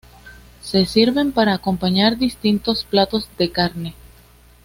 Se sirven para acompañar distintos platos de carne.